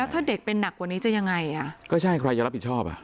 ถ้าเด็กเป็นหนักกว่านี้จะยังไงอ่ะก็ใช่ใครจะรับผิดชอบอ่ะ